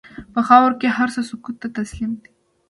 په خاوره کې هر څه سکوت ته تسلیم دي.